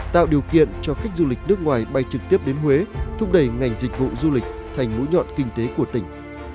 tạo điều kiện cho khách du lịch nước ngoài bay trực tiếp đến huế thúc đẩy ngành dịch vụ du lịch thành mũi nhọn kinh tế của tỉnh